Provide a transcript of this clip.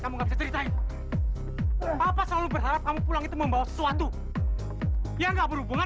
kamu bisa ceritain apa selalu berharap kamu pulang itu membawa sesuatu yang berhubungan